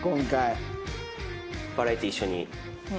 バラエティー一緒に。